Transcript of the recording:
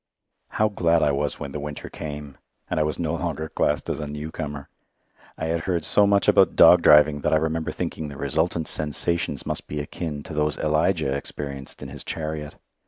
How glad I was when the winter came, and I was no longer classed as a newcomer! I had heard so much about dog driving that I remember thinking the resultant sensations must be akin to those Elijah experienced in his chariot.